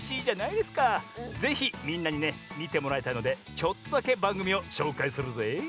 ぜひみんなにねみてもらいたいのでちょっとだけばんぐみをしょうかいするぜい！